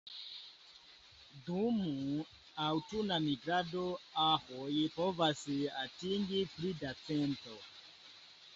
Dum aŭtuna migrado aroj povas atingi pli da cento.